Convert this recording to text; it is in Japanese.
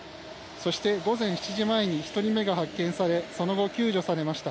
そして、午前７時前に１人目が発見されその後、救助されました。